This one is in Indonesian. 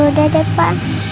yaudah deh pa